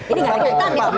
ini nggak ada kaitan ya pak